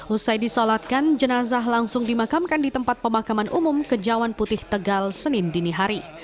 usai disolatkan jenazah langsung dimakamkan di tempat pemakaman umum kejawan putih tegal senin dinihari